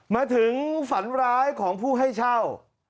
มาถึงฝันร้ายของผู้ให้เช่า